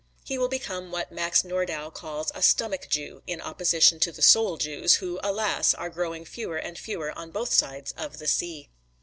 He will become what Max Nordau calls a "stomach Jew," in opposition to the "soul Jews," who alas! are growing fewer and fewer, on both sides of the sea.